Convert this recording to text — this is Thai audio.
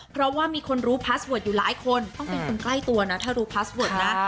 เพราะว่ามีคนรู้พาสเวิร์ดอยู่หลายคนต้องเป็นคนใกล้ตัวนะถ้ารู้พาสเวิร์ดนะ